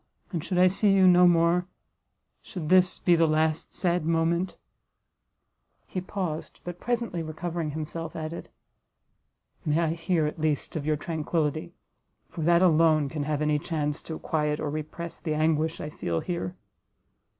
And should I see you no more, should this be the last sad moment " He paused, but presently recovering himself, added, "May I hear, at least, of your tranquillity, for that alone can have any chance to quiet or repress the anguish I feel here!"